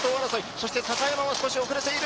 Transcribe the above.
そして高山が少し遅れている。